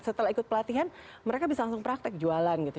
setelah ikut pelatihan mereka bisa langsung praktek jualan gitu